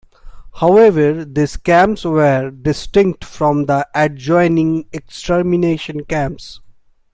However, these camps were "distinct from the adjoining extermination camps".